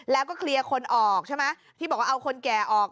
แล้วก็เคลียร์คนออกใช่ไหมที่บอกว่าเอาคนแก่ออก